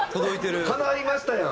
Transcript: かないましたやん！